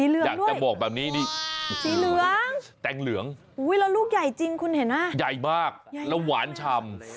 แล้วลูกใหญ่จริงคุณเห็นนะใหญ่มากแล้วหวานชำ